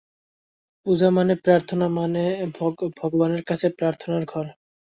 পূজা মনে প্রার্থনা মানে ভগবানের কাছে প্রার্থনার ঘর।